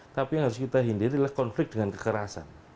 tapi yang harus kita hindari adalah konflik dengan kekerasan